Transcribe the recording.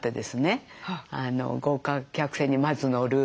豪華客船にまず乗る。